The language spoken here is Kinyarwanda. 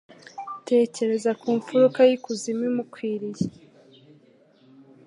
tekereza ku mfuruka y'ikuzimu imukwiriye